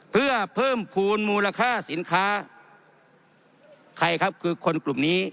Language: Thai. เพื่อเพิ่มภูมิมูลค่าสินค้าใครครับคือคนกลุ่มนี้